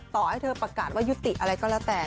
ต่อให้เธอประกาศว่ายุติอะไรก็แล้วแต่